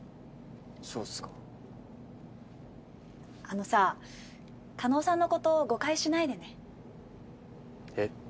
そうですかあのさ叶さんのこと誤解しないでねえっ？